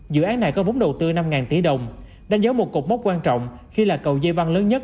dự án này có vốn đầu tư năm tỷ đồng đánh dấu một cột mốc quan trọng khi là cầu dây văn lớn nhất